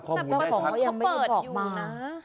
ข้อมูลแน่ทั้งค่ะเจ้าของเค้ายังไม่ได้บอกมา